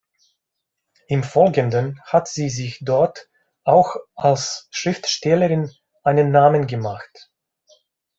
Im Folgenden hat sie sich dort auch als Schriftstellerin einen Namen gemacht.